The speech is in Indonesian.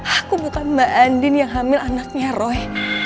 aku bukan mbak andin yang hamil anaknya roy